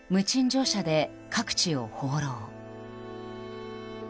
乗車で各地を放浪。